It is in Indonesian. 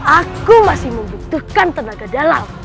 aku masih membutuhkan tenaga dalam